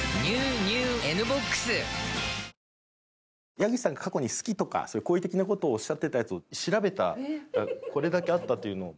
矢口さんが過去に好きとか好意的な事をおっしゃってたやつを調べたらこれだけあったというのを。